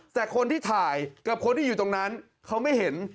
แต่คนที่ถ่ายกับคนที่อยู่ตรงนั้นเขาไม่เห็น